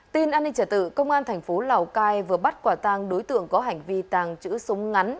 tin an ninh trả tự công an thành phố lào cai vừa bắt quả tang đối tượng có hành vi tàng trữ súng ngắn